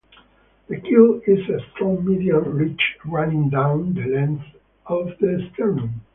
The keel is a strong median ridge running down the length of the sternum.